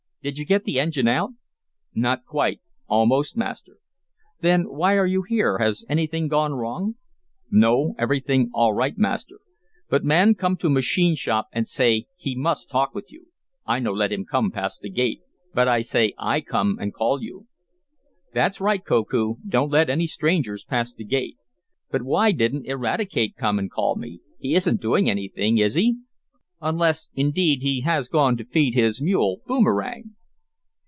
Did you get the engine out?" "Not quite. Almost, Master." "Then why are you here? Has anything gone wrong?" "No, everything all right, Master. But man come to machine shop and say he must have talk with you. I no let him come past the gate, but I say I come and call you." "That's right, Koku. Don't let any strangers past the gate. But why didn't Eradicate come and call me. He isn't doing anything, is he? Unless, indeed, he has gone to feed his mule, Boomerang."